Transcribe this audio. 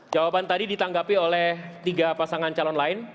jawaban tadi ditanggapi oleh tiga pasangan calon lain